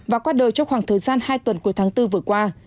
và qua đời trong khoảng thời gian hai tuần cuối tháng bốn vừa qua